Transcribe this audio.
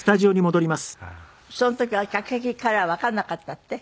その時は客席からはわからなかったって？